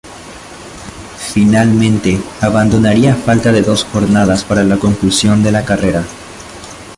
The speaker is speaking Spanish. Finalmente, abandonaría a falta de dos jornadas para la conclusión de la carrera.